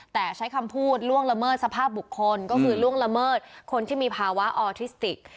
แต่ใช้คำพูดล่วงละเมิดสภาพบุคคลก็คือล่วงละเมิดคนที่มีภาวะออทิสติก